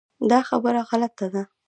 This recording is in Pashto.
دا خبره غلطه ده .